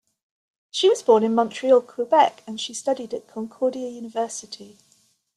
She was born in Montreal, Quebec, and studied at Concordia University.